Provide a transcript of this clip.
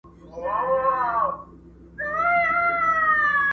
نن زندان پر ماتېدو دی!